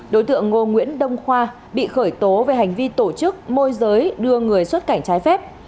đối tượng ngô nguyễn đông khoa bị khởi tố về hành vi tổ chức môi giới đưa người xuất cảnh trái phép